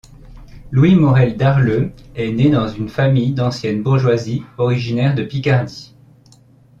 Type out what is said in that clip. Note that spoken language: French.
Louis Morel d'Arleux est né dans une famille d'ancienne bourgeoisie originaire de Picardie.